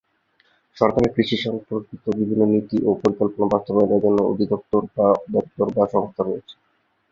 সরকারের কৃষি সম্পর্কিত বিভিন্ন নীতি ও পরিকল্পনা বাস্তবায়নের জন্য অধিদপ্তর/দপ্তর/সংস্থা রয়েছে।